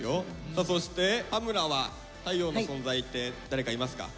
さあそして羽村は太陽の存在って誰かいますか？